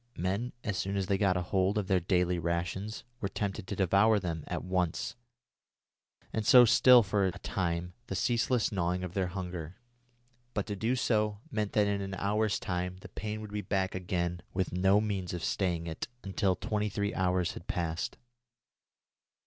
Men, as soon as they got hold of their day's rations, were tempted to devour them at once, and so still for a time the ceaseless gnawing of their hunger; but to do so meant that in an hour's time the pain would be back again with no means of staying it until twenty three hours had passed.